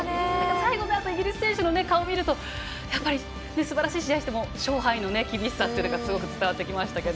最後になるとイギリス選手の顔を見るとすばらしい試合でも勝敗の厳しさというのがすごく伝わってきましたけど。